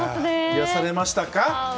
癒やされましたか。